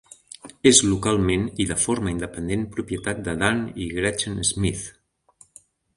És localment i de forma independent propietat de Dan i Gretchen Smith.